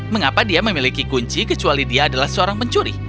mengapa dia memiliki kunci kecuali dia adalah seorang pencuri